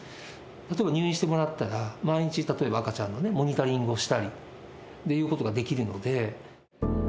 例えば入院してもらったら、毎日例えば、赤ちゃんのね、モニタリングをしたりということができるので。